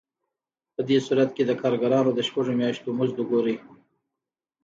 په دې صورت کې د کارګرانو د شپږو میاشتو مزد وګورئ